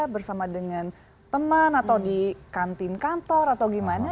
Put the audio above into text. bersama dengan teman atau di kantin kantor atau gimana